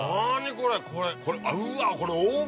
これ。